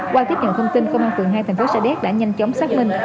qua tiếp nhận thông tin công an phường hai thành phố sa đéc đã nhanh chóng xác minh